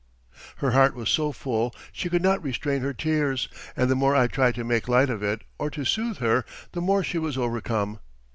Her heart was so full she could not restrain her tears, and the more I tried to make light of it or to soothe her, the more she was overcome.